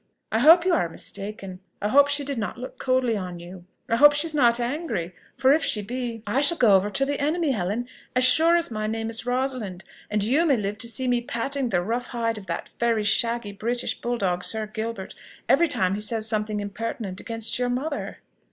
"I hope you are mistaken; I hope she did not look coldly on you. I hope she is not angry; for if she be ... I shall go over to the enemy, Helen, as sure as my name is Rosalind, and you may live to see me patting the rough hide of that very shaggy British bull dog, Sir Gilbert, every time he says something impertinent against your mother."